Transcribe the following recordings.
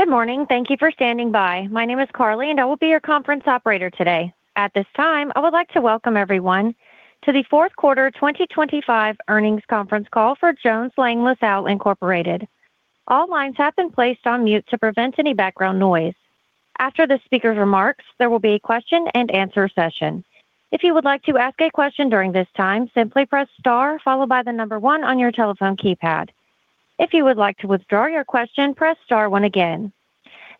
Good morning. Thank you for standing by. My name is Carly, and I will be your conference operator today. At this time, I would like to welcome everyone to the fourth quarter 2025 earnings conference call for Jones Lang LaSalle Incorporated. All lines have been placed on mute to prevent any background noise. After the speaker's remarks, there will be a question-and-answer session. If you would like to ask a question during this time, simply press star followed by the number one on your telephone keypad. If you would like to withdraw your question, press star one again.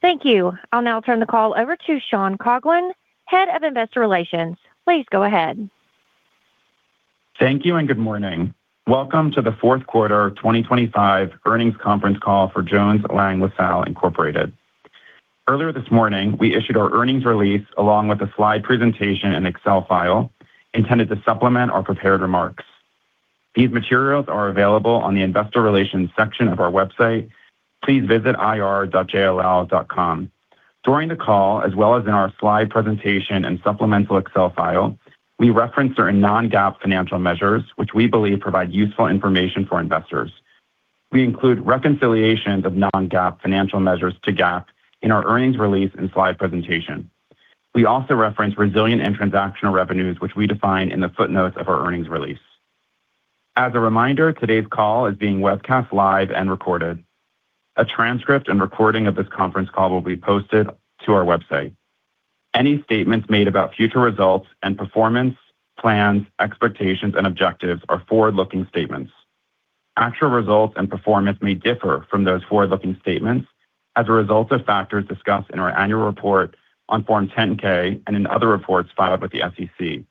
Thank you. I'll now turn the call over to Sean Coghlan, Head of Investor Relations. Please go ahead. Thank you, and good morning. Welcome to the fourth quarter of 2025 earnings conference call for Jones Lang LaSalle Incorporated. Earlier this morning, we issued our earnings release, along with a slide presentation and Excel file intended to supplement our prepared remarks. These materials are available on the Investor Relations section of our website. Please visit ir.jll.com. During the call, as well as in our slide presentation and supplemental Excel file, we reference certain non-GAAP financial measures, which we believe provide useful information for investors. We include reconciliations of non-GAAP financial measures to GAAP in our earnings release and slide presentation. We also reference resilient and transactional revenues, which we define in the footnotes of our earnings release. As a reminder, today's call is being webcast live and recorded. A transcript and recording of this conference call will be posted to our website. Any statements made about future results and performance, plans, expectations, and objectives are forward-looking statements. Actual results and performance may differ from those forward-looking statements as a result of factors discussed in our annual report on Form 10-K and in other reports filed with the SEC.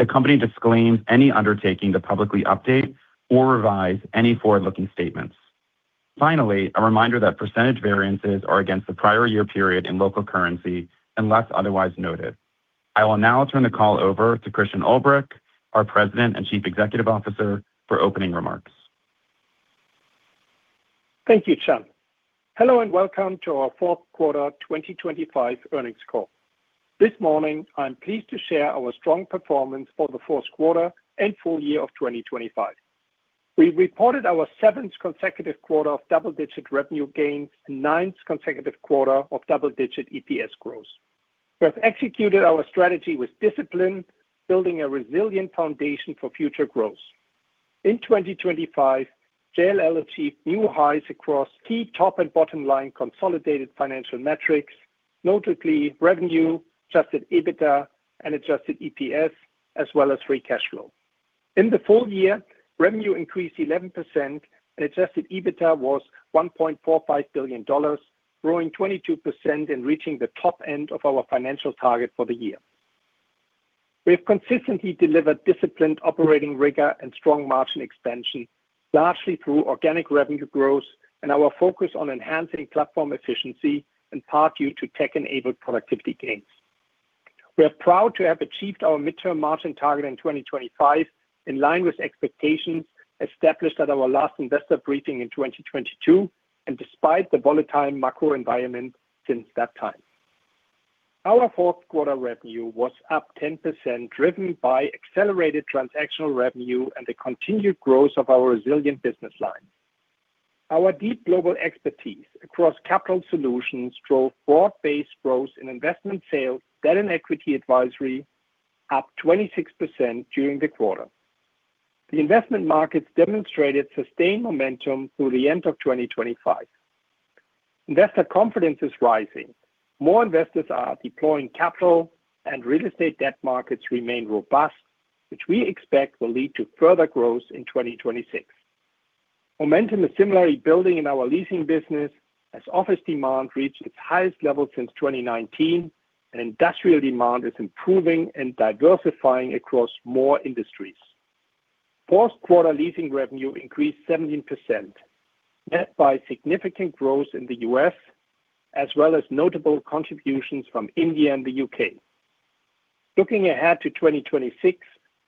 The company disclaims any undertaking to publicly update or revise any forward-looking statements. Finally, a reminder that percentage variances are against the prior year period in local currency, unless otherwise noted. I will now turn the call over to Christian Ulbrich, our President and Chief Executive Officer, for opening remarks. Thank you, Sean. Hello, and welcome to our fourth quarter 2025 earnings call. This morning, I'm pleased to share our strong performance for the fourth quarter and full year of 2025. We reported our seventh consecutive quarter of double-digit revenue gains and ninth consecutive quarter of double-digit EPS growth. We have executed our strategy with discipline, building a resilient foundation for future growth. In 2025, JLL achieved new highs across key top and bottom line consolidated financial metrics, notably revenue, Adjusted EBITDA, and Adjusted EPS, as well as free cash flow. In the full year, revenue increased 11%, and Adjusted EBITDA was $1.45 billion, growing 22% and reaching the top end of our financial target for the year. We have consistently delivered disciplined operating rigor and strong margin expansion, largely through organic revenue growth and our focus on enhancing platform efficiency and part due to tech-enabled productivity gains. We are proud to have achieved our midterm margin target in 2025, in line with expectations established at our last investor briefing in 2022 and despite the volatile macro environment since that time. Our fourth quarter revenue was up 10%, driven by accelerated transactional revenue and the continued growth of our resilient business lines. Our deep global expertise across capital solutions drove broad-based growth in investment sales, debt, and equity advisory, up 26% during the quarter. The investment markets demonstrated sustained momentum through the end of 2025. Investor confidence is rising. More investors are deploying capital, and real estate debt markets remain robust, which we expect will lead to further growth in 2026. Momentum is similarly building in our leasing business as office demand reached its highest level since 2019, and industrial demand is improving and diversifying across more industries. Fourth quarter leasing revenue increased 17%, led by significant growth in the U.S., as well as notable contributions from India and the U.K. Looking ahead to 2026,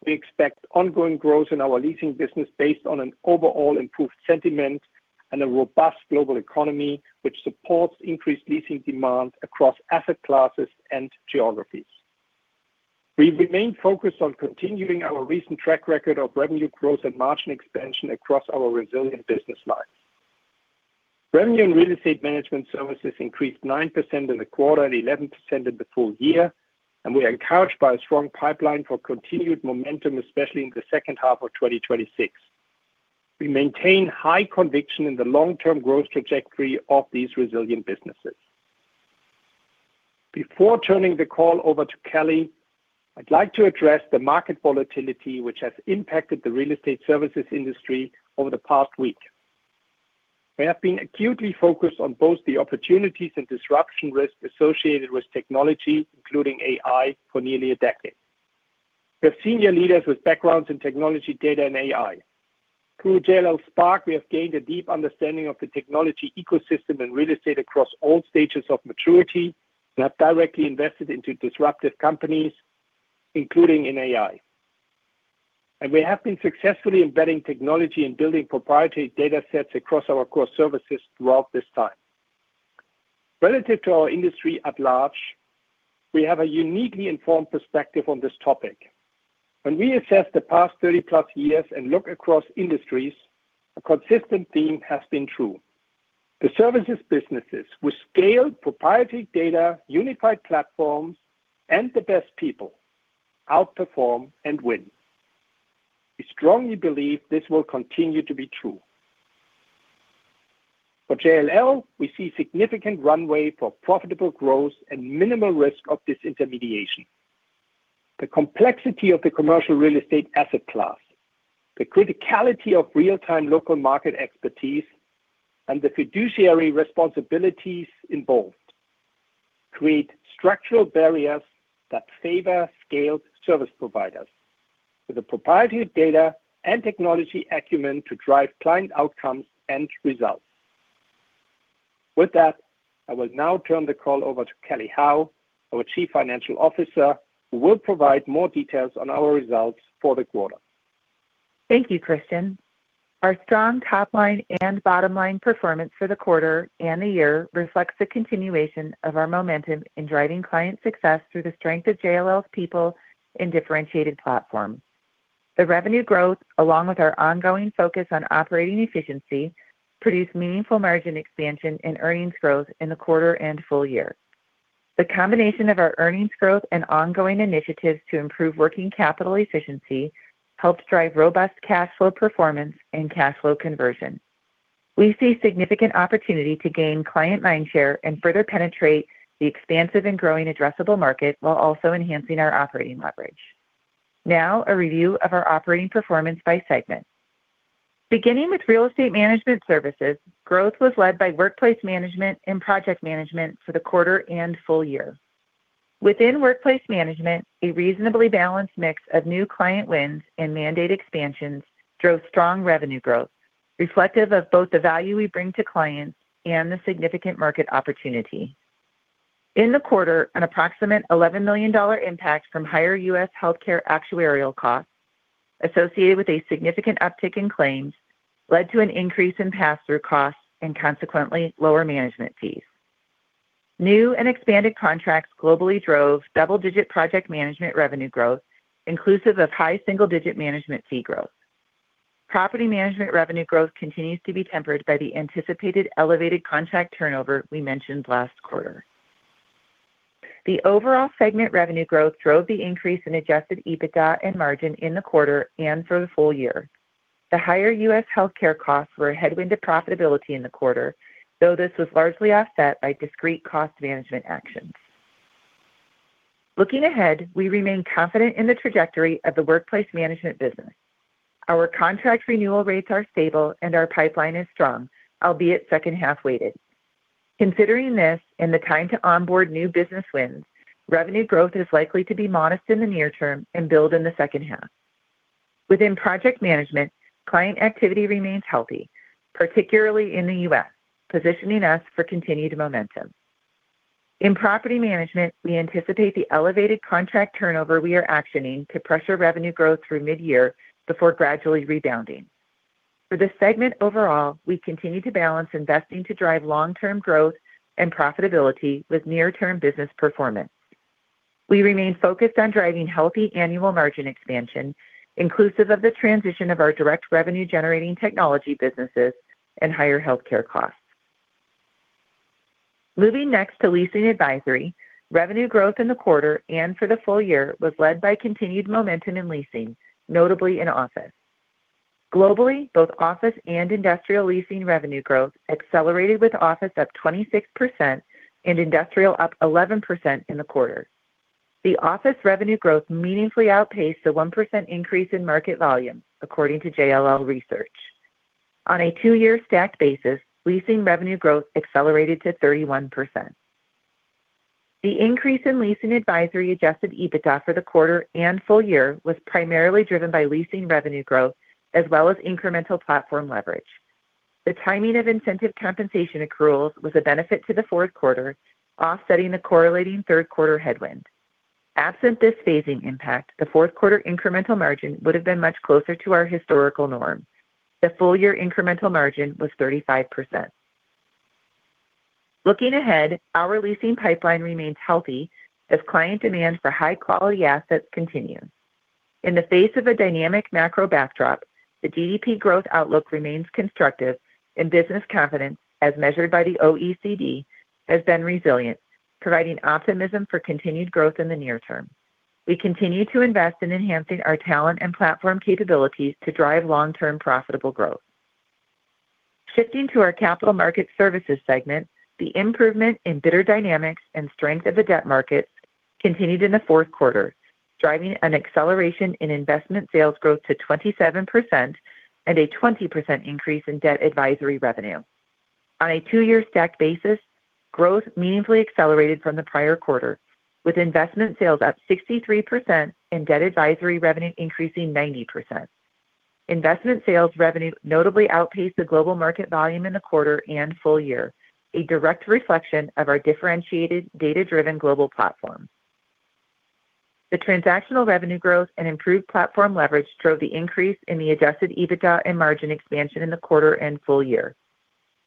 we expect ongoing growth in our leasing business based on an overall improved sentiment and a robust global economy, which supports increased leasing demand across asset classes and geographies. We remain focused on continuing our recent track record of revenue growth and margin expansion across our resilient business lines. Revenue and Real Estate Management Services increased 9% in the quarter and 11% in the full year, and we are encouraged by a strong pipeline for continued momentum, especially in the second half of 2026. We maintain high conviction in the long-term growth trajectory of these resilient businesses. Before turning the call over to Karen, I'd like to address the market volatility, which has impacted the real estate services industry over the past week. We have been acutely focused on both the opportunities and disruption risks associated with technology, including AI, for nearly a decade. We have senior leaders with backgrounds in technology, data, and AI. Through JLL Spark, we have gained a deep understanding of the technology ecosystem and real estate across all stages of maturity and have directly invested into disruptive companies, including in AI. We have been successfully embedding technology and building proprietary data sets across our core services throughout this time.... Relative to our industry at large, we have a uniquely informed perspective on this topic. When we assess the past 30+ years and look across industries, a consistent theme has been true: the services businesses with scaled proprietary data, unified platforms, and the best people outperform and win. We strongly believe this will continue to be true. For JLL, we see significant runway for profitable growth and minimal risk of disintermediation. The complexity of the commercial real estate asset class, the criticality of real-time local market expertise, and the fiduciary responsibilities involved create structural barriers that favor scaled service providers with the proprietary data and technology acumen to drive client outcomes and results. With that, I will now turn the call over to Kelly Howe, our Chief Financial Officer, who will provide more details on our results for the quarter. Thank you, Christian. Our strong top line and bottom line performance for the quarter and the year reflects the continuation of our momentum in driving client success through the strength of JLL's people and differentiated platform. The revenue growth, along with our ongoing focus on operating efficiency, produced meaningful margin expansion and earnings growth in the quarter and full year. The combination of our earnings growth and ongoing initiatives to improve working capital efficiency helped drive robust cash flow performance and cash flow conversion. We see significant opportunity to gain client mindshare and further penetrate the expansive and growing addressable market, while also enhancing our operating leverage. Now, a review of our operating performance by segment. Beginning with Real Estate Management Services, growth was led by Workplace Management and Project Management for the quarter and full year. Within Workplace Management, a reasonably balanced mix of new client wins and mandate expansions drove strong revenue growth, reflective of both the value we bring to clients and the significant market opportunity. In the quarter, an approximate $11 million impact from higher U.S. healthcare actuarial costs associated with a significant uptick in claims led to an increase in pass-through costs and consequently lower management fees. New and expanded contracts globally drove double-digit Project Management revenue growth, inclusive of high single-digit management fee growth. Property Management revenue growth continues to be tempered by the anticipated elevated contract turnover we mentioned last quarter. The overall segment revenue growth drove the increase in Adjusted EBITDA and margin in the quarter and for the full year. The higher U.S. healthcare costs were a headwind to profitability in the quarter, though this was largely offset by discrete cost management actions. Looking ahead, we remain confident in the trajectory of the workplace management business. Our contract renewal rates are stable and our pipeline is strong, albeit second-half weighted. Considering this and the time to onboard new business wins, revenue growth is likely to be modest in the near term and build in the second half. Within project management, client activity remains healthy, particularly in the U.S., positioning us for continued momentum. In Property Management, we anticipate the elevated contract turnover we are actioning to pressure revenue growth through mid-year before gradually rebounding. For this segment overall, we continue to balance investing to drive long-term growth and profitability with near-term business performance. We remain focused on driving healthy annual margin expansion, inclusive of the transition of our direct revenue-generating technology businesses and higher healthcare costs. Moving next to Leasing Advisory, revenue growth in the quarter and for the full year was led by continued momentum in leasing, notably in office. Globally, both office and industrial leasing revenue growth accelerated, with office up 26% and industrial up 11% in the quarter. The office revenue growth meaningfully outpaced the 1% increase in market volume, according to JLL Research. On a two-year stacked basis, leasing revenue growth accelerated to 31%. The increase in leasing advisory Adjusted EBITDA for the quarter and full year was primarily driven by leasing revenue growth, as well as incremental platform leverage. The timing of incentive compensation accruals was a benefit to the fourth quarter, offsetting the correlating third quarter headwind. Absent this phasing impact, the fourth quarter incremental margin would have been much closer to our historical norm. The full-year incremental margin was 35%. Looking ahead, our leasing pipeline remains healthy as client demand for high-quality assets continues. In the face of a dynamic macro backdrop, the GDP growth outlook remains constructive, and business confidence, as measured by the OECD, has been resilient, providing optimism for continued growth in the near term. We continue to invest in enhancing our talent and platform capabilities to drive long-term profitable growth. Shifting to our Capital Markets segment, the improvement in bidder dynamics and strength of the debt markets continued in the fourth quarter, driving an acceleration in Investment Sales growth to 27% and a 20% increase in Debt Advisory revenue. On a two-year stacked basis, growth meaningfully accelerated from the prior quarter, with Investment Sales up 63% and Debt Advisory revenue increasing 90%. Investment Sales revenue notably outpaced the global market volume in the quarter and full year, a direct reflection of our differentiated, data-driven global platform. The Transactional Revenue growth and improved platform leverage drove the increase in the Adjusted EBITDA and margin expansion in the quarter and full year.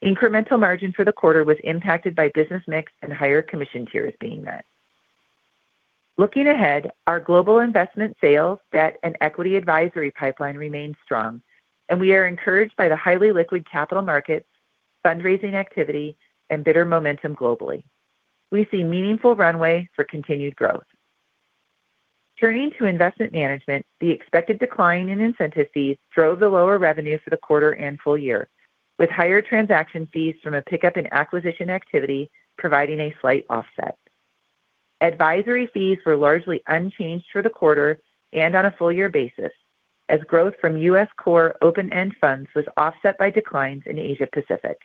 Incremental Margin for the quarter was impacted by business mix and higher commission tiers being met. Looking ahead, our global investment sales, debt, and equity advisory pipeline remains strong, and we are encouraged by the highly liquid Capital Markets, fundraising activity, and bidder momentum globally. We see meaningful runway for continued growth. Turning to Investment Management, the expected decline in incentive fees drove the lower revenue for the quarter and full year, with higher transaction fees from a pickup in acquisition activity providing a slight offset. Advisory fees were largely unchanged for the quarter and on a full year basis, as growth from U.S. core open-end funds was offset by declines in Asia Pacific.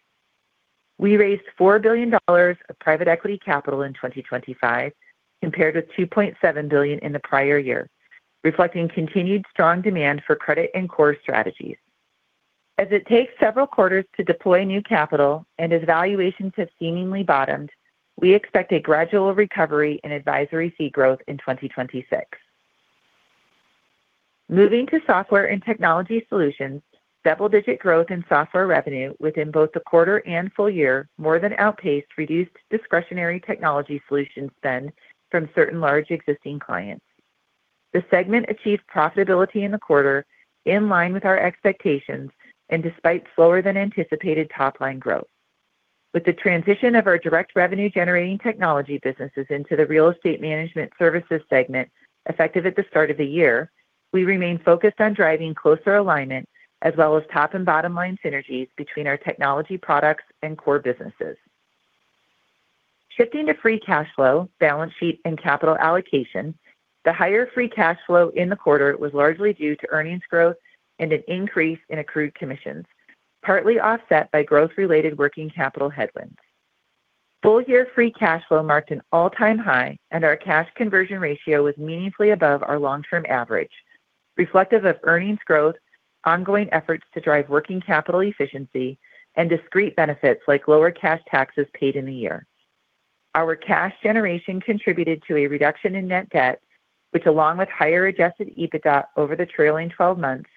We raised $4 billion of private equity capital in 2025, compared with $2.7 billion in the prior year, reflecting continued strong demand for credit and core strategies. As it takes several quarters to deploy new capital and as valuations have seemingly bottomed, we expect a gradual recovery in advisory fee growth in 2026. Moving to software and technology solutions, double-digit growth in software revenue within both the quarter and full year more than outpaced reduced discretionary technology solution spend from certain large existing clients. The segment achieved profitability in the quarter in line with our expectations and despite slower than anticipated top-line growth. With the transition of our direct revenue-generating technology businesses into the Real Estate Management Services segment, effective at the start of the year, we remain focused on driving closer alignment as well as top and bottom line synergies between our technology products and core businesses. Shifting to Free Cash Flow, balance sheet, and capital allocation, the higher Free Cash Flow in the quarter was largely due to earnings growth and an increase in accrued commissions, partly offset by growth-related working capital headwinds. Full-year Free Cash Flow marked an all-time high, and our cash conversion ratio was meaningfully above our long-term average, reflective of earnings growth, ongoing efforts to drive working capital efficiency, and discrete benefits like lower cash taxes paid in the year. Our cash generation contributed to a reduction in net debt, which, along with higher Adjusted EBITDA over the trailing twelve months,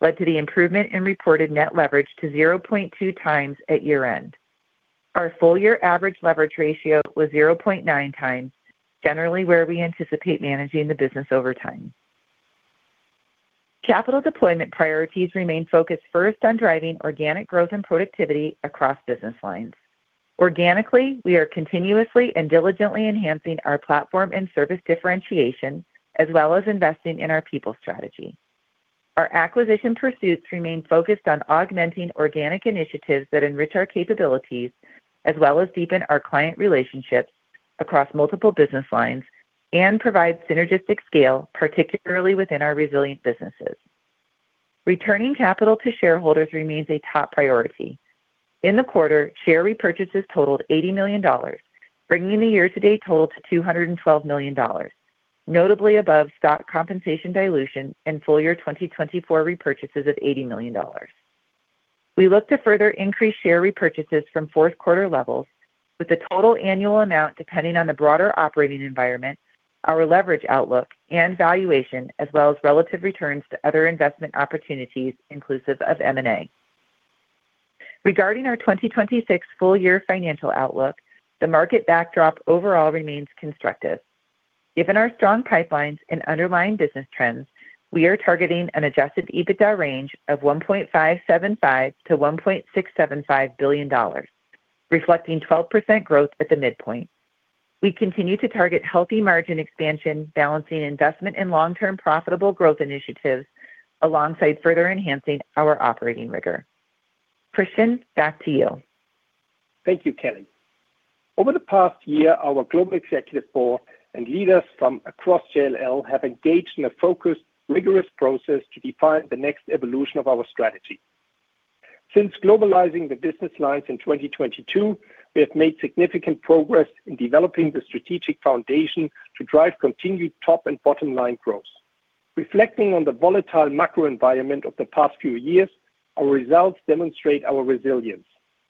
led to the improvement in reported net leverage to 0.2 times at year-end. Our full-year average leverage ratio was 0.9 times, generally where we anticipate managing the business over time. Capital deployment priorities remain focused first on driving organic growth and productivity across business lines. Organically, we are continuously and diligently enhancing our platform and service differentiation, as well as investing in our people strategy. Our acquisition pursuits remain focused on augmenting organic initiatives that enrich our capabilities, as well as deepen our client relationships across multiple business lines and provide synergistic scale, particularly within our resilient businesses. Returning capital to shareholders remains a top priority. In the quarter, share repurchases totaled $80 million, bringing the year-to-date total to $212 million, notably above stock compensation dilution and full-year 2024 repurchases of $80 million. We look to further increase share repurchases from fourth quarter levels, with the total annual amount depending on the broader operating environment, our leverage outlook and valuation, as well as relative returns to other investment opportunities, inclusive of M&A. Regarding our 2026 full-year financial outlook, the market backdrop overall remains constructive. Given our strong pipelines and underlying business trends, we are targeting an Adjusted EBITDA range of $1.575 billion-$1.675 billion, reflecting 12% growth at the midpoint. We continue to target healthy margin expansion, balancing investment and long-term profitable growth initiatives alongside further enhancing our operating rigor. Christian, back to you. Thank you, Kelly. Over the past year, our global executive board and leaders from across JLL have engaged in a focused, rigorous process to define the next evolution of our strategy. Since globalizing the business lines in 2022, we have made significant progress in developing the strategic foundation to drive continued top and bottom line growth. Reflecting on the volatile macro environment of the past few years, our results demonstrate our resilience,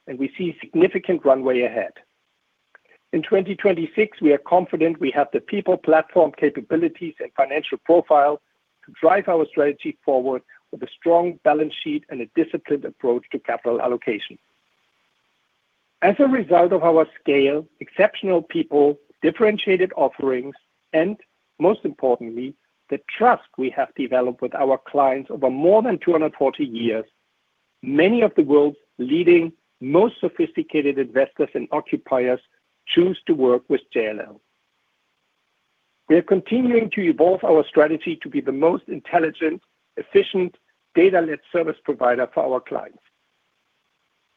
and we see significant runway ahead. In 2026, we are confident we have the people, platform, capabilities, and financial profile to drive our strategy forward with a strong balance sheet and a disciplined approach to capital allocation. As a result of our scale, exceptional people, differentiated offerings, and most importantly, the trust we have developed with our clients over more than 240 years, many of the world's leading, most sophisticated investors and occupiers choose to work with JLL. We are continuing to evolve our strategy to be the most intelligent, efficient, data-led service provider for our clients.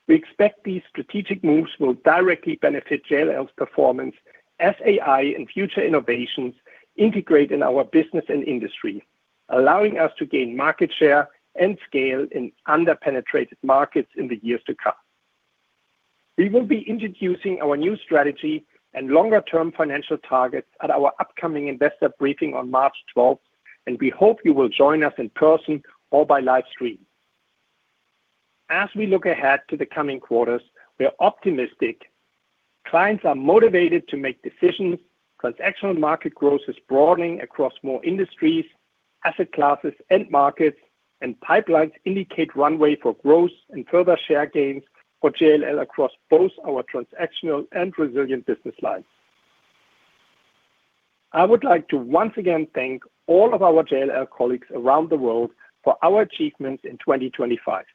We expect these strategic moves will directly benefit JLL's performance as AI and future innovations integrate in our business and industry, allowing us to gain market share and scale in under-penetrated markets in the years to come. We will be introducing our new strategy and longer-term financial targets at our upcoming investor briefing on March twelfth, and we hope you will join us in person or by live stream... As we look ahead to the coming quarters, we are optimistic. Clients are motivated to make decisions. Transactional market growth is broadening across more industries, asset classes, and markets, and pipelines indicate runway for growth and further share gains for JLL across both our transactional and resilient business lines. I would like to once again thank all of our JLL colleagues around the world for our achievements in 2025.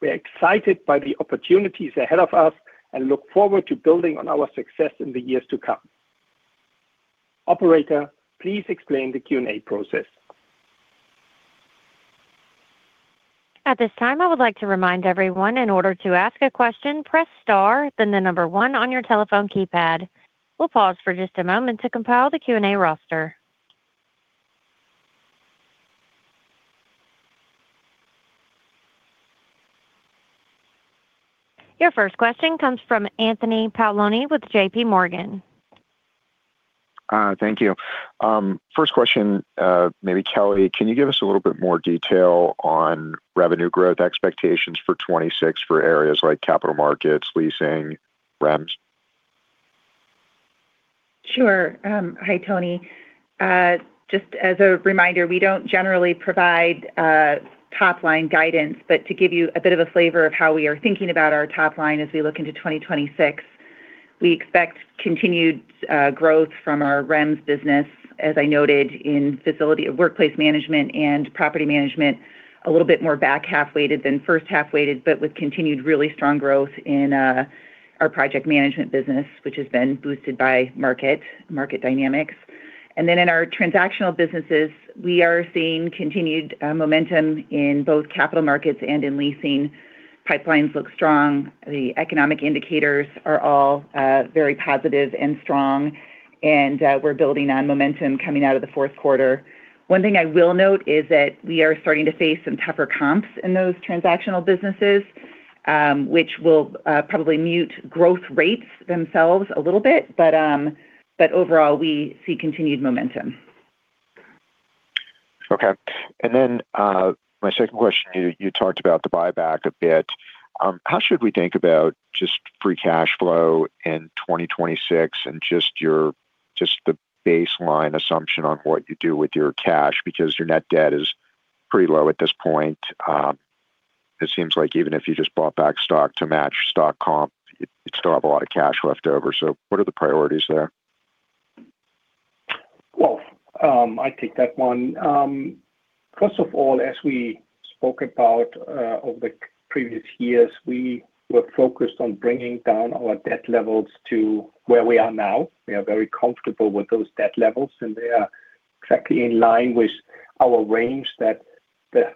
We are excited by the opportunities ahead of us and look forward to building on our success in the years to come. Operator, please explain the Q&A process. At this time, I would like to remind everyone, in order to ask a question, press Star, then the number one on your telephone keypad. We'll pause for just a moment to compile the Q&A roster. Your first question comes from Anthony Paolone with J.P. Morgan. Thank you. First question, maybe Kelly, can you give us a little bit more detail on revenue growth expectations for 2026 for areas like capital markets, leasing, REMS? Sure. Hi, Tony. Just as a reminder, we don't generally provide top-line guidance. But to give you a bit of a flavor of how we are thinking about our top line as we look into 2026, we expect continued growth from our REMS business, as I noted, in Facilities, workplace management and property management, a little bit more back half-weighted than first half-weighted, but with continued really strong growth in our project management business, which has been boosted by market dynamics. And then in our transactional businesses, we are seeing continued momentum in both Capital Markets and in leasing. Pipelines look strong. The economic indicators are all very positive and strong, and we're building on momentum coming out of the fourth quarter. One thing I will note is that we are starting to face some tougher comps in those transactional businesses, which will probably mute growth rates themselves a little bit, but overall, we see continued momentum. Okay. And then, my second question, you, you talked about the buyback a bit. How should we think about just free cash flow in 2026 and just your—just the baseline assumption on what you do with your cash? Because your net debt is pretty low at this point. It seems like even if you just bought back stock to match stock comp, you'd still have a lot of cash left over. So what are the priorities there? Well, I take that one. First of all, as we spoke about over the previous years, we were focused on bringing down our debt levels to where we are now. We are very comfortable with those debt levels, and they are exactly in line with our range that the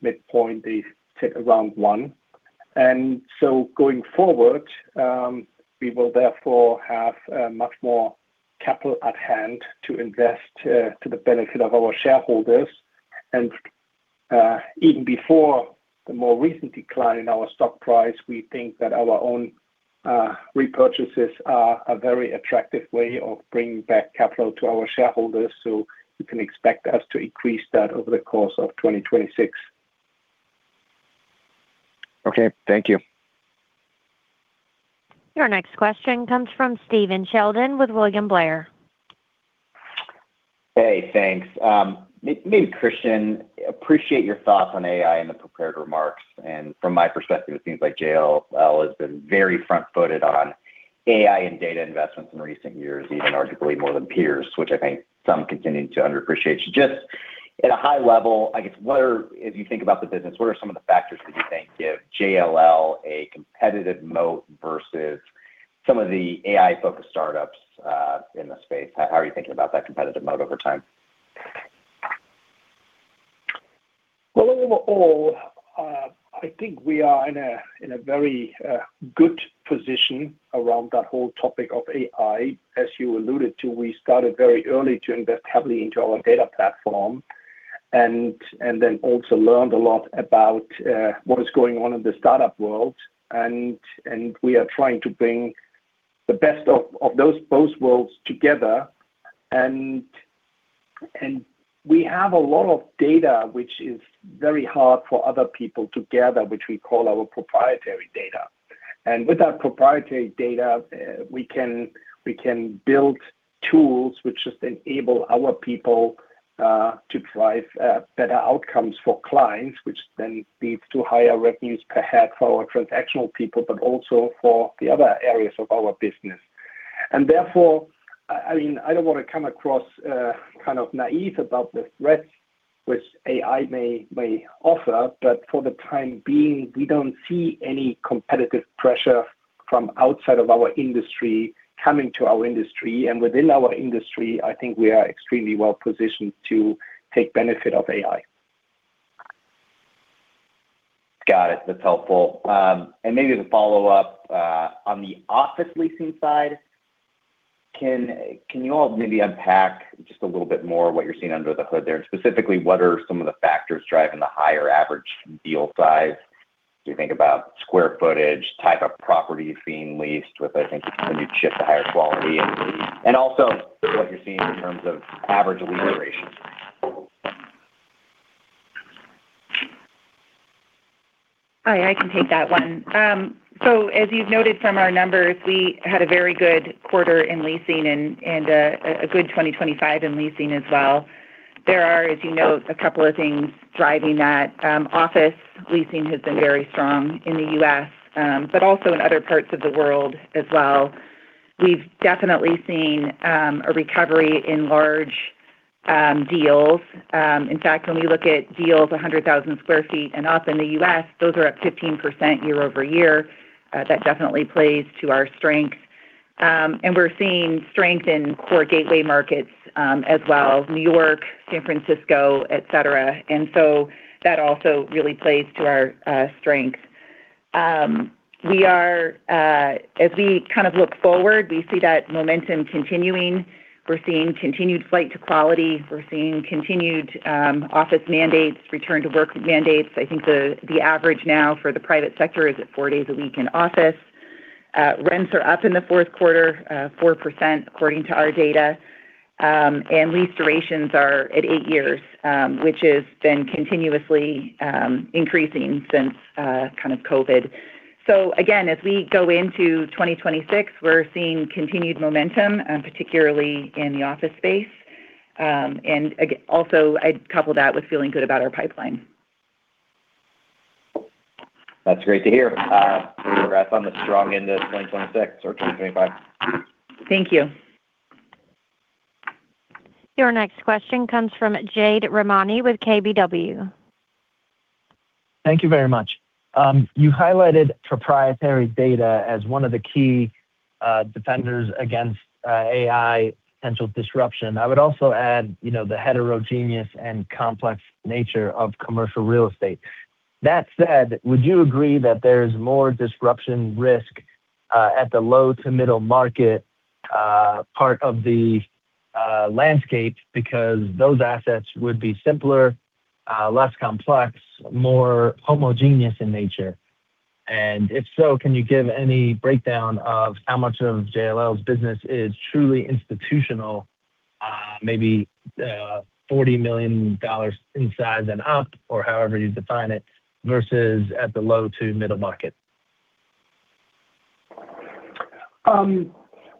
midpoint, they sit around one. And so going forward, we will therefore have much more capital at hand to invest to the benefit of our shareholders. And even before the more recent decline in our stock price, we think that our own repurchases are a very attractive way of bringing back capital to our shareholders. So you can expect us to increase that over the course of 2026. Okay, thank you. Your next question comes from Stephen Sheldon with William Blair. Hey, thanks. Maybe Christian, appreciate your thoughts on AI in the prepared remarks. And from my perspective, it seems like JLL has been very front-footed on AI and data investments in recent years, even arguably more than peers, which I think some continuing to underappreciate. Just at a high level, I guess, as you think about the business, what are some of the factors that you think give JLL a competitive moat versus some of the AI-focused startups in the space? How are you thinking about that competitive moat over time? Well, overall, I think we are in a very good position around that whole topic of AI. As you alluded to, we started very early to invest heavily into our data platform and then also learned a lot about what is going on in the startup world. And we are trying to bring the best of those worlds together. And we have a lot of data, which is very hard for other people to gather, which we call our proprietary data. And with that proprietary data, we can build tools which just enable our people to drive better outcomes for clients, which then leads to higher revenues per head for our transactional people, but also for the other areas of our business. And therefore, I mean, I don't want to come across kind of naive about the threats which AI may offer, but for the time being, we don't see any competitive pressure from outside of our industry coming to our industry. And within our industry, I think we are extremely well positioned to take benefit of AI. Got it. That's helpful. And maybe to follow up on the office leasing side, can you all maybe unpack just a little bit more what you're seeing under the hood there? And specifically, what are some of the factors driving the higher average deal size? Do you think about square footage, type of properties being leased, with, I think, the new shift to higher quality? And also what you're seeing in terms of average lease duration?... Hi, I can take that one. So as you've noted from our numbers, we had a very good quarter in leasing and a good 2025 in leasing as well. There are, as you know, a couple of things driving that. Office leasing has been very strong in the US, but also in other parts of the world as well. We've definitely seen a recovery in large deals. In fact, when we look at deals 100,000 sq ft and up in the US, those are up 15% year-over-year. That definitely plays to our strength. And we're seeing strength in core gateway markets, as well, New York, San Francisco, et cetera. And so that also really plays to our strength. As we kind of look forward, we see that momentum continuing. We're seeing continued flight to quality. We're seeing continued office mandates, return to work mandates. I think the average now for the private sector is at 4 days a week in office. Rents are up in the fourth quarter 4%, according to our data. And lease durations are at 8 years, which has been continuously increasing since kind of COVID. So again, as we go into 2026, we're seeing continued momentum, particularly in the office space. And also, I'd couple that with feeling good about our pipeline. That's great to hear. We wrap on the strong end of 2026 or 2025. Thank you. Your next question comes from Jade Rahmani with KBW. Thank you very much. You highlighted proprietary data as one of the key defenders against AI potential disruption. I would also add, you know, the heterogeneous and complex nature of commercial real estate. That said, would you agree that there is more disruption risk at the low to middle market part of the landscape because those assets would be simpler, less complex, more homogeneous in nature? And if so, can you give any breakdown of how much of JLL's business is truly institutional, maybe $40 million in size and up, or however you define it, versus at the low to middle market?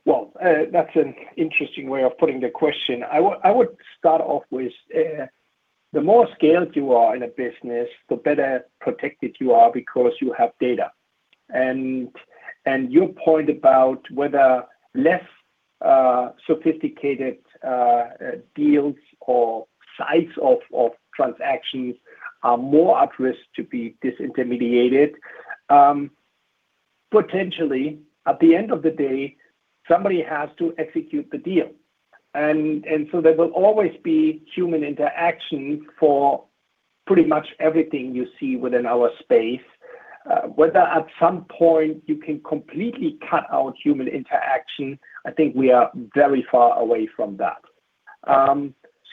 Well, that's an interesting way of putting the question. I would start off with the more scaled you are in a business, the better protected you are because you have data. And your point about whether less sophisticated deals or sites of transactions are more at risk to be disintermediated, potentially, at the end of the day, somebody has to execute the deal. And so there will always be human interaction for pretty much everything you see within our space. Whether at some point you can completely cut out human interaction, I think we are very far away from that.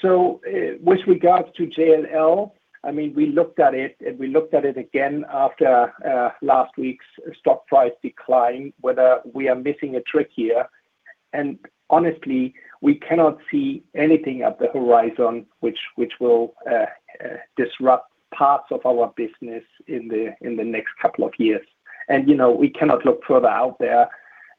So with regards to JLL, I mean, we looked at it, and we looked at it again after last week's stock price decline, whether we are missing a trick here. And honestly, we cannot see anything at the horizon, which will disrupt parts of our business in the next couple of years. And, you know, we cannot look further out there.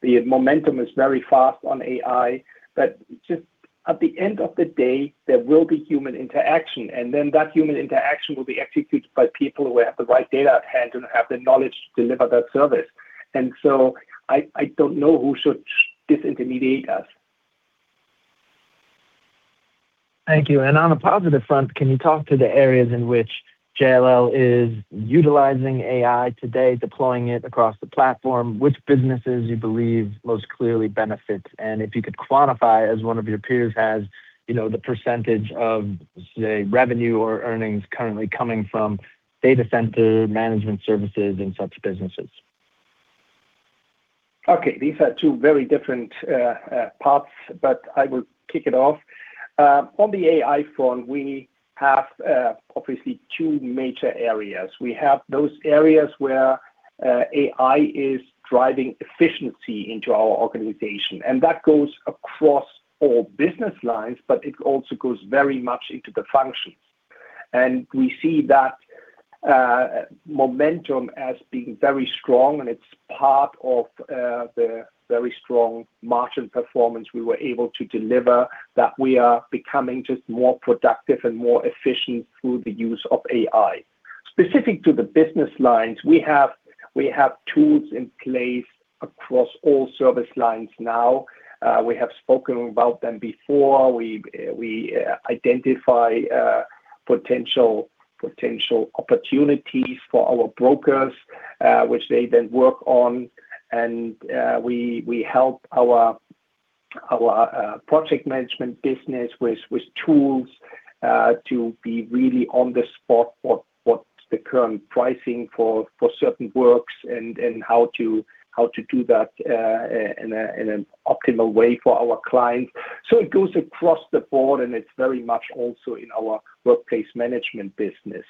The momentum is very fast on AI, but just at the end of the day, there will be human interaction, and then that human interaction will be executed by people who have the right data at hand and have the knowledge to deliver that service. And so I don't know who should disintermediate us. Thank you. On a positive front, can you talk to the areas in which JLL is utilizing AI today, deploying it across the platform, which businesses you believe most clearly benefits? And if you could quantify, as one of your peers has, you know, the percentage of, say, revenue or earnings currently coming from data center management services in such businesses? Okay, these are two very different paths, but I will kick it off. On the AI front, we have obviously two major areas. We have those areas where AI is driving efficiency into our organization, and that goes across all business lines, but it also goes very much into the functions. And we see that momentum as being very strong, and it's part of the very strong margin performance we were able to deliver, that we are becoming just more productive and more efficient through the use of AI. Specific to the business lines, we have tools in place across all service lines now. We have spoken about them before. We identify potential opportunities for our brokers, which they then work on, and we help our project management business with tools to be really on the spot for what's the current pricing for certain works and how to do that in an optimal way for our clients. So it goes across the board, and it's very much also in our workplace management business.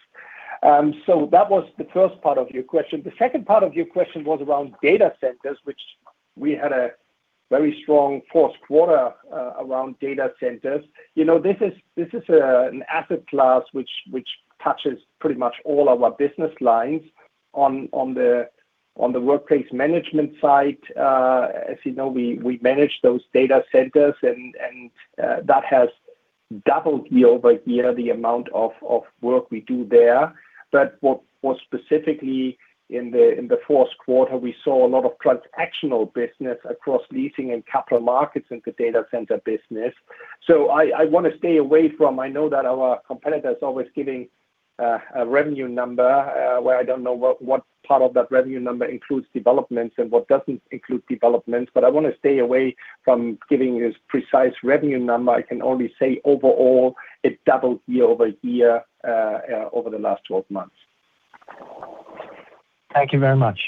So that was the first part of your question. The second part of your question was around data centers, which we had a very strong fourth quarter around data centers. You know, this is an asset class which touches pretty much all of our business lines on the workplace management side. As you know, we manage those data centers, and that has doubled year-over-year, the amount of work we do there. But what specifically in the fourth quarter, we saw a lot of transactional business across leasing and Capital Markets in the data center business. So I wanna stay away from. I know that our competitors are always giving a revenue number, where I don't know what part of that revenue number includes developments and what doesn't include developments, but I want to stay away from giving a precise revenue number. I can only say overall, it doubled year-over-year, over the last 12 months. Thank you very much.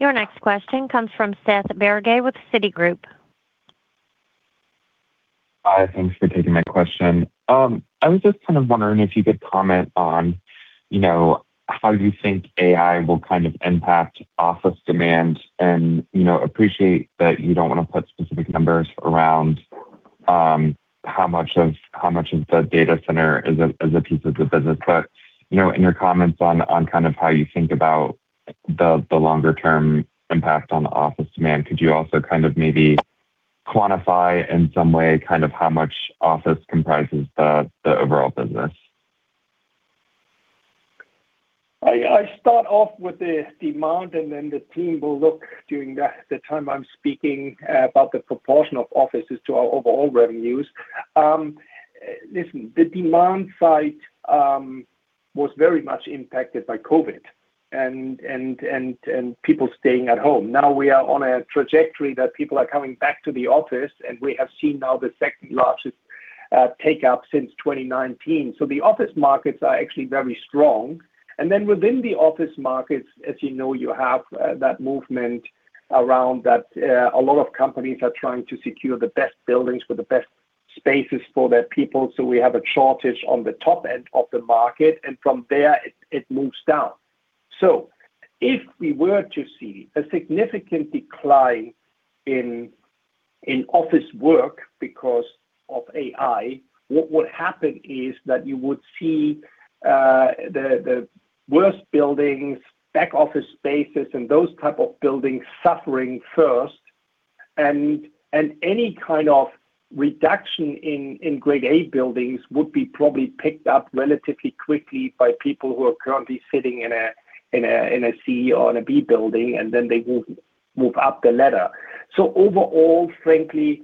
Your next question comes from Seth Bergey with Citigroup. Hi, thanks for taking my question. I was just kind of wondering if you could comment on, you know, how you think AI will kind of impact office demand, and, you know, appreciate that you don't want to put specific numbers around, how much of the data center is a piece of the business. But, you know, in your comments on kind of how you think about the longer term impact on the office demand, could you also kind of maybe quantify in some way kind of how much office comprises the overall business? I start off with the demand, and then the team will look during the time I'm speaking about the proportion of offices to our overall revenues. Listen, the demand side was very much impacted by COVID and people staying at home. Now we are on a trajectory that people are coming back to the office, and we have seen now the second-largest take up since 2019. So the office markets are actually very strong. And then within the office markets, as you know, you have that movement around that a lot of companies are trying to secure the best buildings for the best spaces for their people. So we have a shortage on the top end of the market, and from there, it moves down. So if we were to see a significant decline in office work because of AI, what would happen is that you would see the worst buildings, back office spaces, and those type of buildings suffering first. And any kind of reduction in Grade A buildings would be probably picked up relatively quickly by people who are currently sitting in a C or B building, and then they will move up the ladder. So overall, frankly,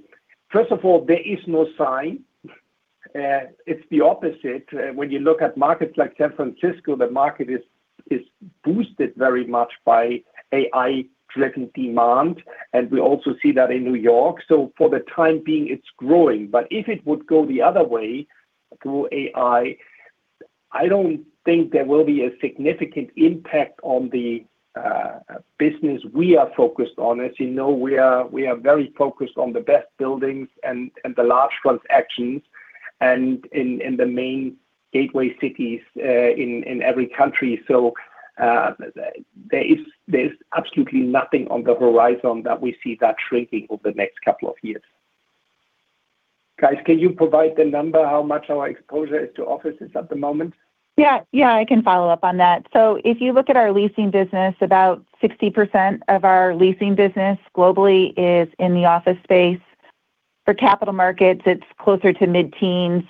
first of all, there is no sign. It's the opposite. When you look at markets like San Francisco, the market is boosted very much by AI-driven demand, and we also see that in New York. So for the time being, it's growing, but if it would go the other way, through AI, I don't think there will be a significant impact on the business we are focused on. As you know, we are, we are very focused on the best buildings and, and the large transactions and in the main gateway cities, in every country. So, there is, there's absolutely nothing on the horizon that we see that shrinking over the next couple of years. Guys, can you provide the number, how much our exposure is to offices at the moment? Yeah. Yeah, I can follow up on that. So if you look at our leasing business, about 60% of our leasing business globally is in the office space. For capital markets, it's closer to mid-teens%.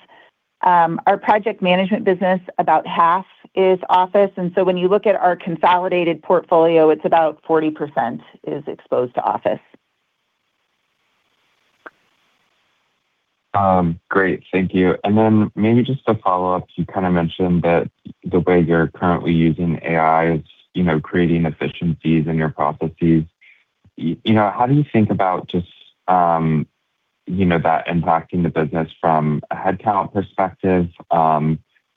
Our project management business, about half is office. And so when you look at our consolidated portfolio, it's about 40% is exposed to office. Great. Thank you. And then maybe just a follow-up. You kind of mentioned that the way you're currently using AI is, you know, creating efficiencies in your processes. You know, how do you think about just, you know, that impacting the business from a headcount perspective?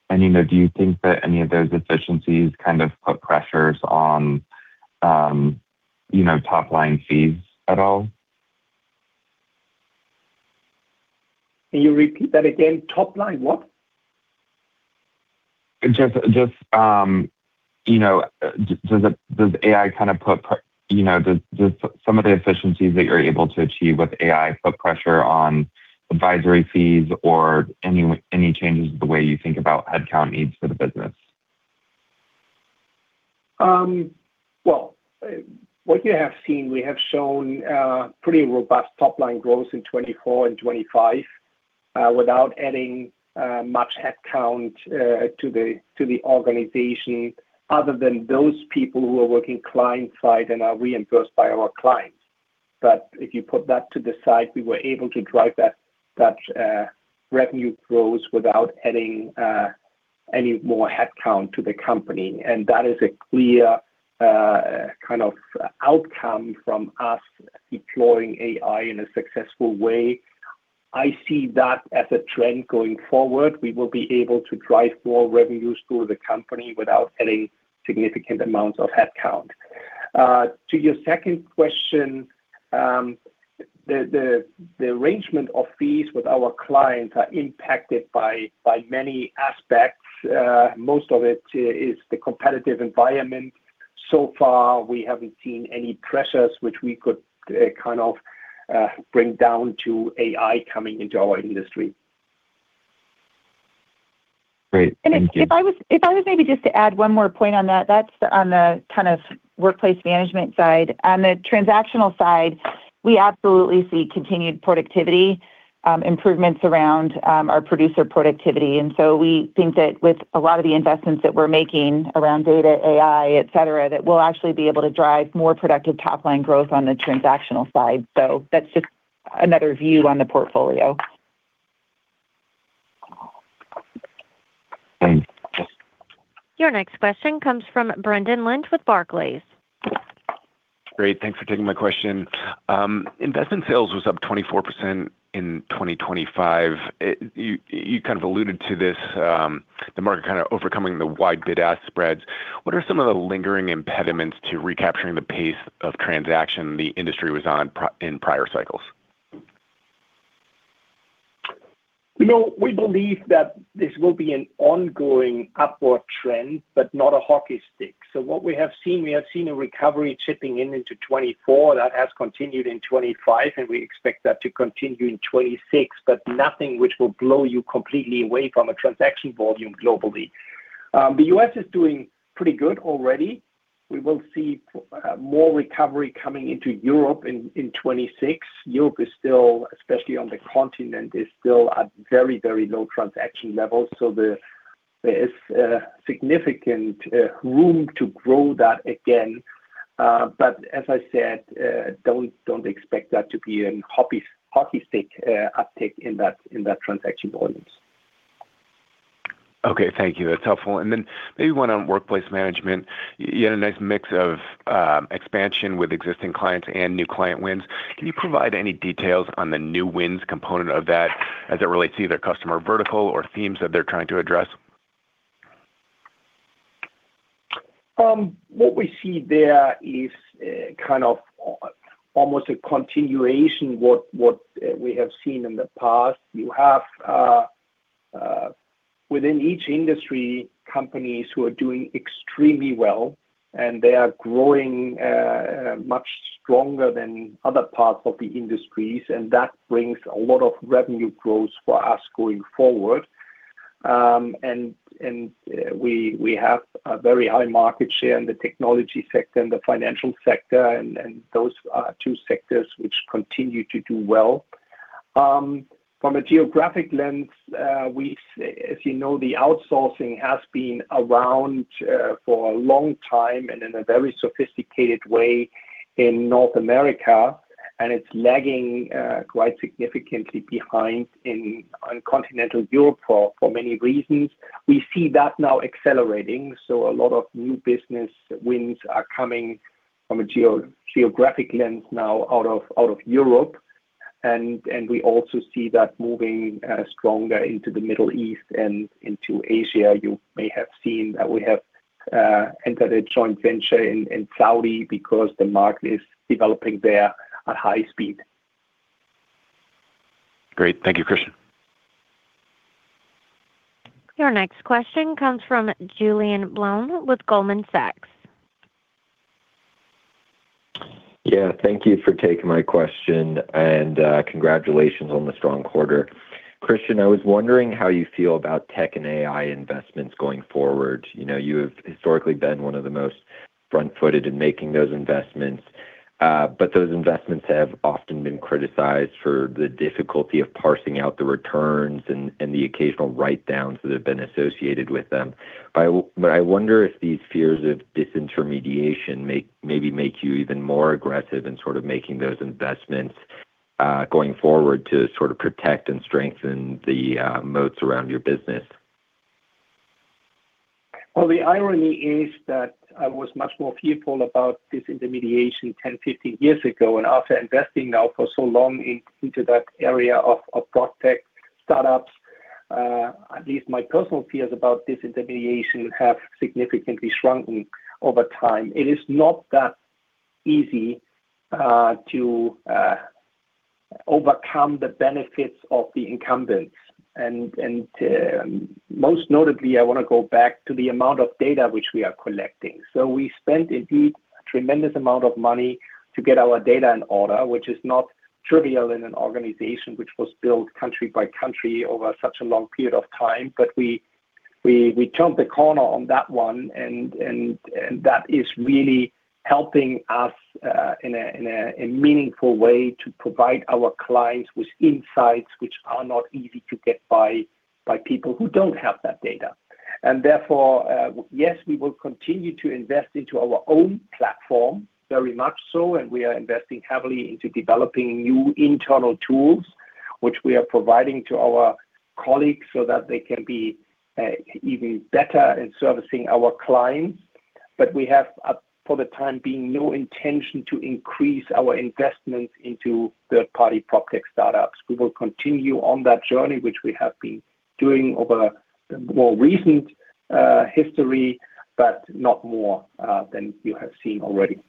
And, you know, do you think that any of those efficiencies kind of put pressures on, you know, top-line fees at all? Can you repeat that again? Top line, what? Just, just, you know, does the, does AI kind of put, you know, does, does some of the efficiencies that you're able to achieve with AI put pressure on advisory fees or any, any changes in the way you think about headcount needs for the business? Well, what you have seen, we have shown, pretty robust top-line growth in 2024 and 2025, without adding, much headcount, to the organization, other than those people who are working client-side and are reimbursed by our clients. But if you put that to the side, we were able to drive that revenue growth without adding any more headcount to the company, and that is a clear kind of outcome from us deploying AI in a successful way. I see that as a trend going forward. We will be able to drive more revenues through the company without adding significant amounts of headcount. To your second question, the arrangement of fees with our clients are impacted by many aspects. Most of it is the competitive environment. So far, we haven't seen any pressures which we could kind of bring down to AI coming into our industry. Great. Thank you. And if I was maybe just to add one more point on that, that's on the kind of workplace management side. On the transactional side, we absolutely see continued productivity improvements around our producer productivity. And so we think that with a lot of the investments that we're making around data, AI, et cetera, that we'll actually be able to drive more productive top-line growth on the transactional side. So that's just another view on the portfolio. Thanks. Your next question comes from Brendan Lynch with Barclays. Great, thanks for taking my question. Investment sales was up 24% in 2025. You, you kind of alluded to this, the market kind of overcoming the wide bid-ask spreads. What are some of the lingering impediments to recapturing the pace of transaction the industry was on in prior cycles? You know, we believe that this will be an ongoing upward trend, but not a hockey stick. So what we have seen, we have seen a recovery chipping in into 2024. That has continued in 2025, and we expect that to continue in 2026, but nothing which will blow you completely away from a transaction volume globally. The U.S. is doing pretty good already. We will see more recovery coming into Europe in 2026. Europe is still, especially on the continent, is still at very, very low transaction levels, so there is significant room to grow that again. But as I said, don't expect that to be a hockey stick uptick in that transaction volumes. Okay, thank you. That's helpful. And then maybe one on Workplace Management. You had a nice mix of expansion with existing clients and new client wins. Can you provide any details on the new wins component of that as it relates to either customer vertical or themes that they're trying to address? What we see there is kind of almost a continuation of what we have seen in the past. You have, within each industry, companies who are doing extremely well, and they are growing much stronger than other parts of the industries, and that brings a lot of revenue growth for us going forward. We have a very high market share in the technology sector and the financial sector, and those are two sectors which continue to do well. From a geographic lens, as you know, the outsourcing has been around for a long time and in a very sophisticated way in North America, and it's lagging quite significantly behind on continental Europe for many reasons. We see that now accelerating, so a lot of new business wins are coming from a geographic lens now out of Europe. We also see that moving stronger into the Middle East and into Asia. You may have seen that we have entered a joint venture in Saudi because the market is developing there at high speed. Great. Thank you, Christian. Your next question comes from Julian Blome with Goldman Sachs. Yeah, thank you for taking my question, and, congratulations on the strong quarter. Christian, I was wondering how you feel about tech and AI investments going forward. You know, you have historically been one of the most front-footed in making those investments, but those investments have often been criticized for the difficulty of parsing out the returns and the occasional write-downs that have been associated with them. But I wonder if these fears of disintermediation may maybe make you even more aggressive in sort of making those investments going forward to sort of protect and strengthen the moats around your business. Well, the irony is that I was much more fearful about disintermediation 10, 15 years ago, and after investing now for so long into that area of PropTech startups, at least my personal fears about disintermediation have significantly shrunken over time. It is not that easy to overcome the benefits of the incumbents. Most notably, I want to go back to the amount of data which we are collecting. So we spent indeed a tremendous amount of money to get our data in order, which is not trivial in an organization which was built country by country over such a long period of time. But we turned the corner on that one, and that is really helping us in a meaningful way to provide our clients with insights which are not easy to get by people who don't have that data. And therefore, yes, we will continue to invest into our own platform, very much so, and we are investing heavily into developing new internal tools, which we are providing to our colleagues so that they can be even better in servicing our clients. But we have, for the time being, no intention to increase our investments into third-party PropTech startups. We will continue on that journey, which we have been doing over a more recent history, but not more than you have seen already....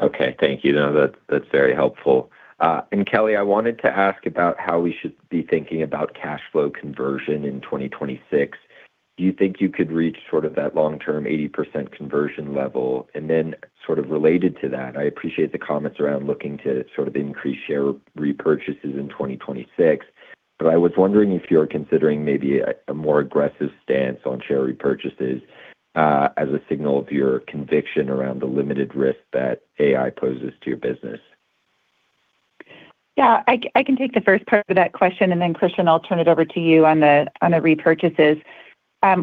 Okay, thank you. No, that's, that's very helpful. And Kelly, I wanted to ask about how we should be thinking about cash flow conversion in 2026. Do you think you could reach sort of that long-term 80% conversion level? And then sort of related to that, I appreciate the comments around looking to sort of increase share repurchases in 2026, but I was wondering if you're considering maybe a, a more aggressive stance on share repurchases, as a signal of your conviction around the limited risk that AI poses to your business. Yeah, I can take the first part of that question, and then, Christian, I'll turn it over to you on the repurchases.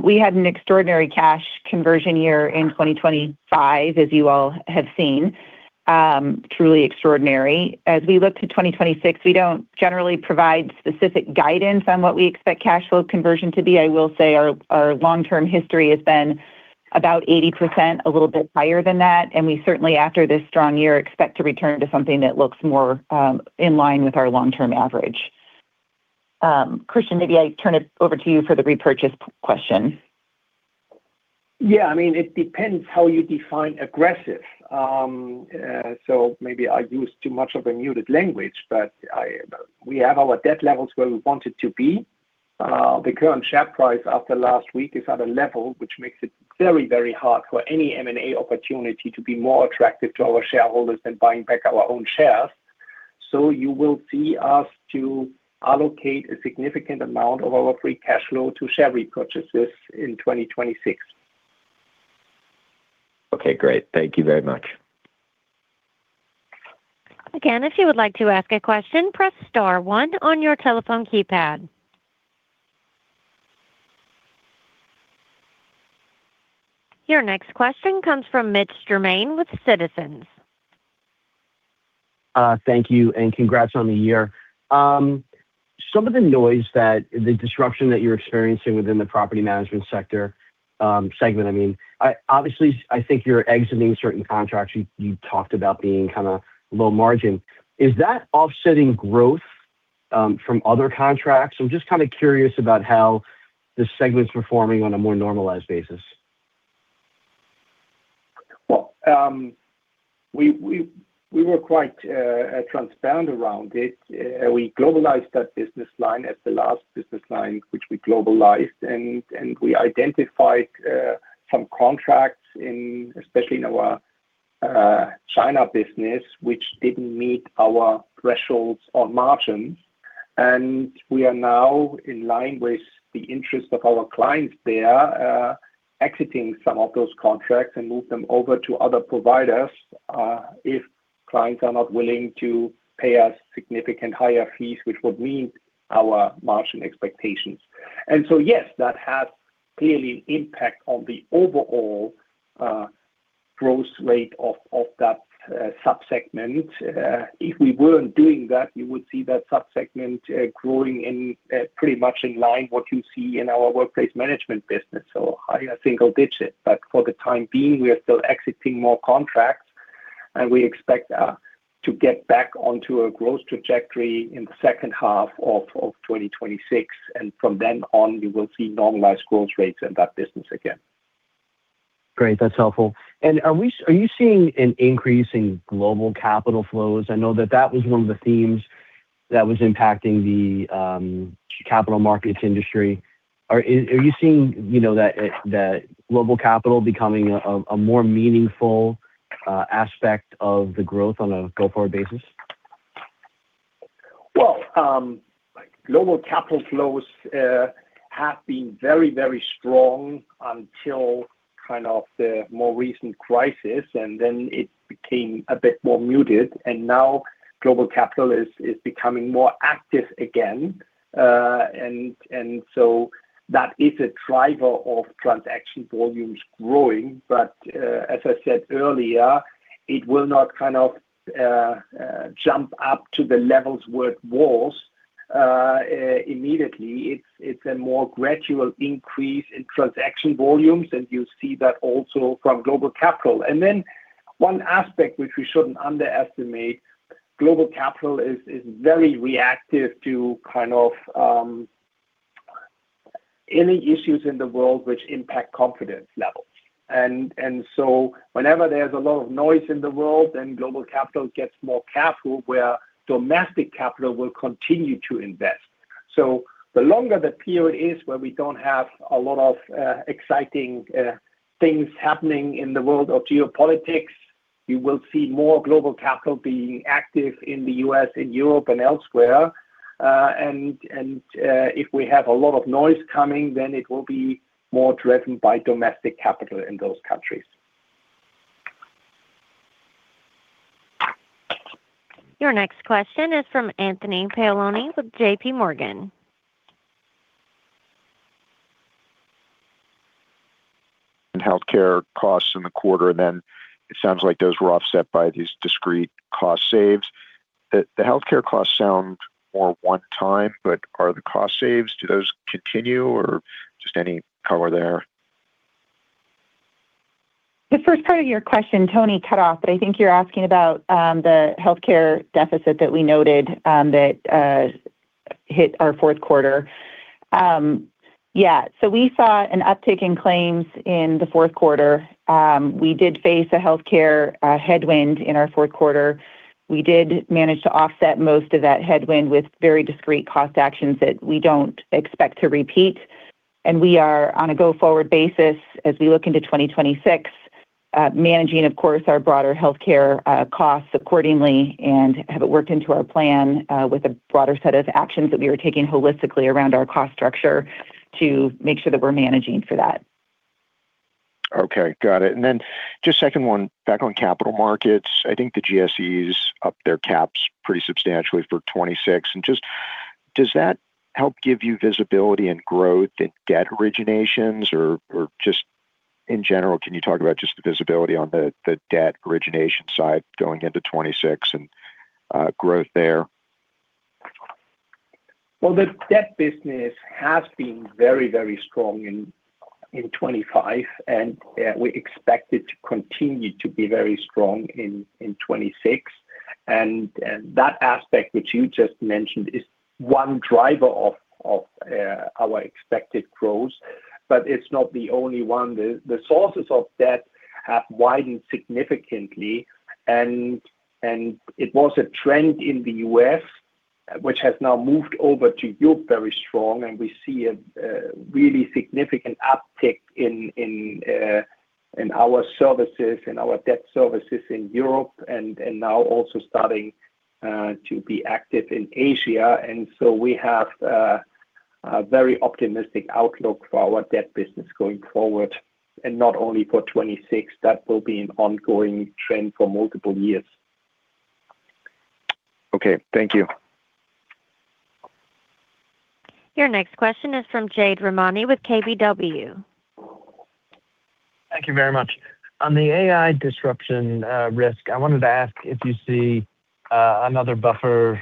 We had an extraordinary cash conversion year in 2025, as you all have seen, truly extraordinary. As we look to 2026, we don't generally provide specific guidance on what we expect cash flow conversion to be. I will say our long-term history has been about 80%, a little bit higher than that, and we certainly, after this strong year, expect to return to something that looks more in line with our long-term average. Christian, maybe I turn it over to you for the repurchase question. Yeah, I mean, it depends how you define aggressive. So maybe I used too much of a muted language, but we have our debt levels where we want it to be. The current share price after last week is at a level which makes it very, very hard for any M&A opportunity to be more attractive to our shareholders than buying back our own shares. So you will see us to allocate a significant amount of our free cash flow to share repurchases in 2026. Okay, great. Thank you very much. Again, if you would like to ask a question, press star one on your telephone keypad. Your next question comes from Mitch Germain with Citizens. Thank you, and congrats on the year. Some of the noise, the disruption that you're experiencing within the property management sector, segment, I mean, obviously, I think you're exiting certain contracts you talked about being kind of low margin. Is that offsetting growth from other contracts? I'm just kind of curious about how this segment's performing on a more normalized basis. Well, we were quite transparent around it. We globalized that business line as the last business line, which we globalized, and we identified some contracts in, especially in our China business, which didn't meet our thresholds on margins. And we are now, in line with the interest of our clients there, exiting some of those contracts and move them over to other providers, if clients are not willing to pay us significant higher fees, which would meet our margin expectations. And so, yes, that has clearly an impact on the overall growth rate of that subsegment. If we weren't doing that, you would see that subsegment growing in pretty much in line what you see in our Workplace Management business, so higher single digit. But for the time being, we are still exiting more contracts, and we expect to get back onto a growth trajectory in the second half of 2026, and from then on, we will see normalized growth rates in that business again. Great. That's helpful. Are you seeing an increase in global capital flows? I know that that was one of the themes that was impacting the capital markets industry. Are you seeing, you know, that that global capital becoming a more meaningful aspect of the growth on a go-forward basis? Well, global capital flows have been very, very strong until kind of the more recent crisis, and then it became a bit more muted, and now global capital is becoming more active again. And so that is a driver of transaction volumes growing. But as I said earlier, it will not kind of jump up to the levels where it was immediately. It's a more gradual increase in transaction volumes, and you see that also from global capital. And then one aspect which we shouldn't underestimate, global capital is very reactive to kind of any issues in the world which impact confidence levels. And so whenever there's a lot of noise in the world, then global capital gets more careful, where domestic capital will continue to invest. So the longer the period is where we don't have a lot of exciting things happening in the world of geopolitics, you will see more global capital being active in the U.S., in Europe, and elsewhere. And if we have a lot of noise coming, then it will be more driven by domestic capital in those countries. Your next question is from Anthony Paolone with JPMorgan. Healthcare costs in the quarter, and then it sounds like those were offset by these discrete cost saves. The healthcare costs sound more one time, but are the cost saves; do those continue, or just any color there? The first part of your question, Tony, cut off, but I think you're asking about the healthcare deficit that we noted that hit our fourth quarter. Yeah, so we saw an uptick in claims in the fourth quarter. We did face a healthcare headwind in our fourth quarter. We did manage to offset most of that headwind with very discrete cost actions that we don't expect to repeat. We are on a go-forward basis as we look into 2026, managing, of course, our broader healthcare costs accordingly, and have it worked into our plan, with a broader set of actions that we are taking holistically around our cost structure to make sure that we're managing for that. Okay, got it. And then just second one, back on Capital Markets. I think the GSEs upped their caps pretty substantially for 2026. And just, does that help give you visibility and growth in debt originations, or, or just in general, can you talk about just the visibility on the, the debt origination side going into 2026 and growth there? Well, the debt business has been very, very strong in 2025, and we expect it to continue to be very strong in 2026. That aspect, which you just mentioned, is one driver of our expected growth, but it's not the only one. The sources of debt have widened significantly, and it was a trend in the U.S., which has now moved over to Europe, very strong, and we see a really significant uptick in our services, in our debt services in Europe, and now also starting to be active in Asia. And so we have a very optimistic outlook for our debt business going forward, and not only for 2026, that will be an ongoing trend for multiple years. Okay, thank you. Your next question is from Jade Rahmani with KBW. Thank you very much. On the AI disruption, risk, I wanted to ask if you see another buffer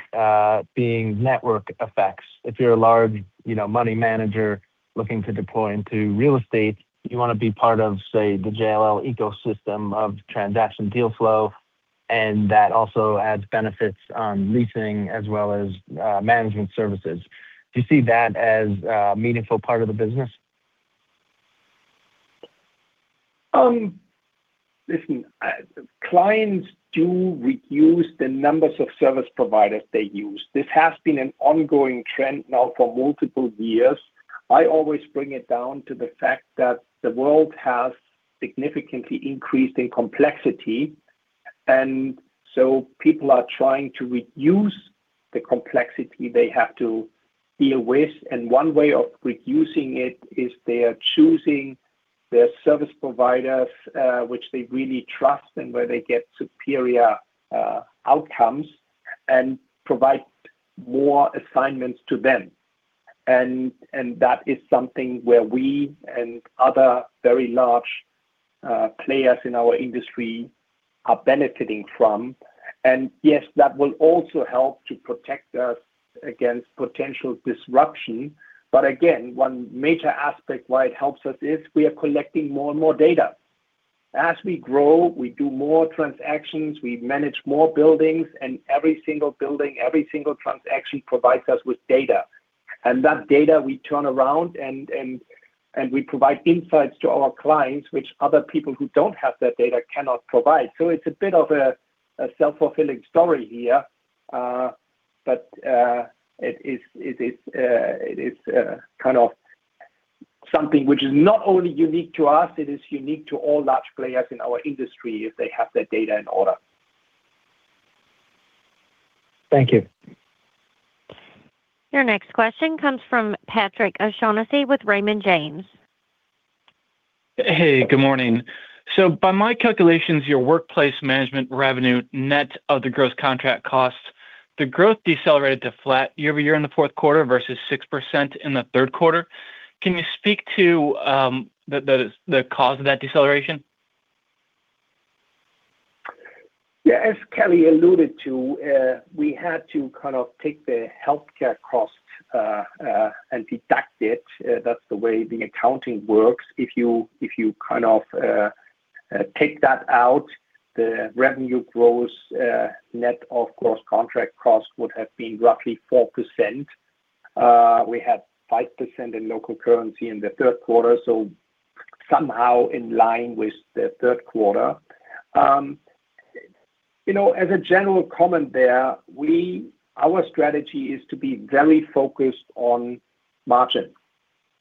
being network effects. If you're a large, you know, money manager looking to deploy into real estate, you wanna be part of, say, the JLL ecosystem of transaction deal flow, and that also adds benefits on leasing as well as management services. Do you see that as a meaningful part of the business? Listen, clients do reduce the numbers of service providers they use. This has been an ongoing trend now for multiple years. I always bring it down to the fact that the world has significantly increased in complexity, and so people are trying to reduce the complexity they have to deal with, and one way of reducing it is they are choosing their service providers, which they really trust and where they get superior outcomes and provide more assignments to them. And, and that is something where we and other very large players in our industry are benefiting from. And yes, that will also help to protect us against potential disruption. But again, one major aspect why it helps us is we are collecting more and more data. As we grow, we do more transactions, we manage more buildings, and every single building, every single transaction provides us with data. And that data we turn around and we provide insights to our clients, which other people who don't have that data cannot provide. So it's a bit of a self-fulfilling story here, but it is kind of something which is not only unique to us, it is unique to all large players in our industry if they have their data in order. Thank you. Your next question comes from Patrick O'Shaughnessy with Raymond James. Hey, good morning. So by my calculations, your Workplace Management revenue, net of the gross contract costs, the growth decelerated to flat year-over-year in the fourth quarter versus 6% in the third quarter. Can you speak to the cause of that deceleration? Yeah, as Kelly alluded to, we had to kind of take the healthcare cost and deduct it. That's the way the accounting works. If you kind of take that out, the revenue growth net of gross contract cost would have been roughly 4%. We had 5% in local currency in the third quarter, so somehow in line with the third quarter. You know, as a general comment there, our strategy is to be very focused on margin,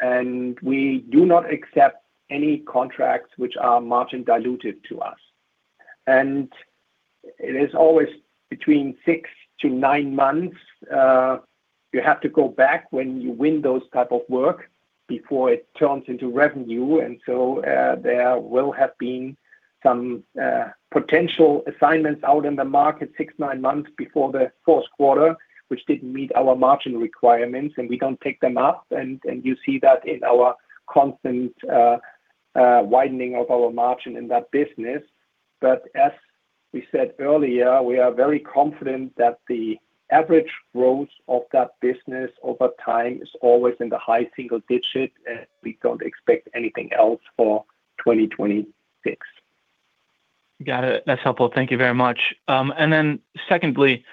and we do not accept any contracts which are margin dilutive to us. It is always between 6-9 months, you have to go back when you win those type of work before it turns into revenue. So, there will have been some potential assignments out in the market 6-9 months before the fourth quarter, which didn't meet our margin requirements, and we don't pick them up. You see that in our constant widening of our margin in that business. But as we said earlier, we are very confident that the average growth of that business over time is always in the high single digits, and we don't expect anything else for 2026. Got it. That's helpful. Thank you very much. And then secondly,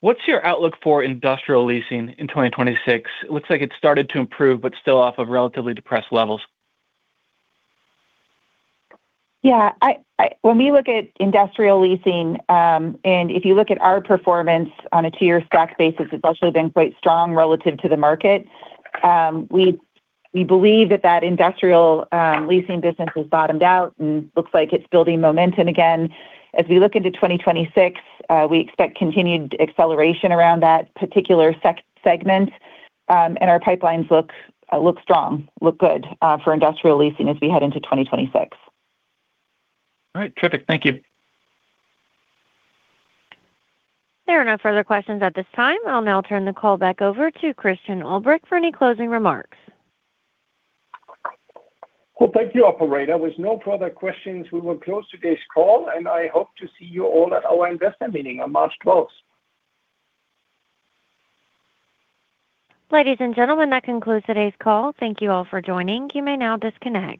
what's your outlook for industrial leasing in 2026? It looks like it's started to improve, but still off of relatively depressed levels. Yeah, when we look at industrial leasing, and if you look at our performance on a two-year stack basis, it's actually been quite strong relative to the market. We believe that that industrial leasing business has bottomed out and looks like it's building momentum again. As we look into 2026, we expect continued acceleration around that particular segment, and our pipelines look strong, look good, for industrial leasing as we head into 2026. All right. Terrific. Thank you. There are no further questions at this time. I'll now turn the call back over to Christian Ulbrich for any closing remarks. Well, thank you, operator. With no further questions, we will close today's call, and I hope to see you all at our investor meeting on March twelfth. Ladies and gentlemen, that concludes today's call. Thank you all for joining. You may now disconnect.